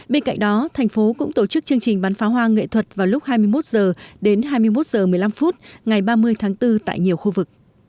bên cạnh đó thành phố cũng tổ chức chương trình bắn pháo hoa nghệ thuật vào lúc hai mươi một h đến hai mươi một h một mươi năm phút ngày ba mươi tháng bốn tại nhiều khu vực